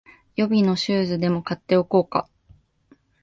予備のシューズでも買っておこうか